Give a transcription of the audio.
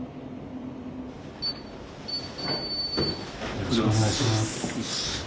よろしくお願いします。